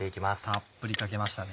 たっぷりかけましたね。